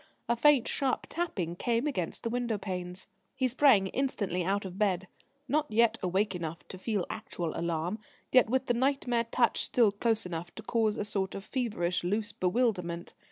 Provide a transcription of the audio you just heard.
A faint, sharp tapping came against the window panes. He sprang instantly out of bed, not yet awake enough to feel actual alarm, yet with the nightmare touch still close enough to cause a sort of feverish, loose bewilderment.